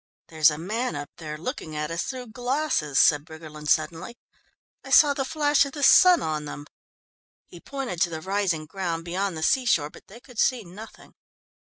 "There's a man up there looking at us through glasses," said Briggerland suddenly. "I saw the flash of the sun on them." He pointed to the rising ground beyond the seashore, but they could see nothing.